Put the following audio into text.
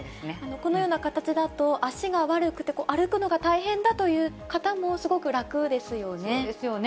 このような形だと、足が悪くて歩くのが大変だという方も、すごく楽ですよね。